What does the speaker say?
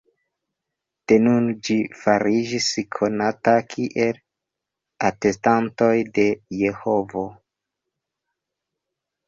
De nun ĝi fariĝis konata kiel "Atestantoj de Jehovo".